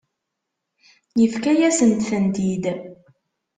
Yefka-yasent-tent-id.